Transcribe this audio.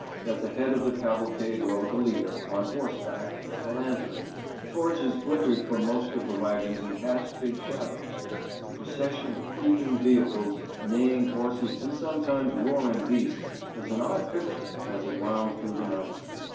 At the head of the cavalcade rode the leader, on horseback, with a lantern. Torches flickered from most of the wagons, and cast big shadows. The procession of creaking vehicles, neighing horses, and sometimes roaring beasts was an odd picture as it wound through the night.